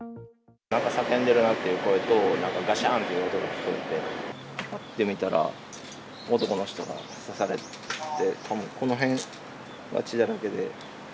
なんか叫んでるなっていう声と、なんかがしゃーんという音が聞こえて、見たら、男の人が刺されて、この辺が血だらけで。